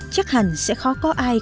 chắc hẳn sẽ khó có ai